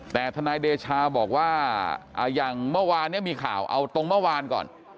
แต่ทนายเดชาบอกว่าอย่างเมื่อวานเนี่ยมีข่าวเอาตรงเมื่อวานก่อน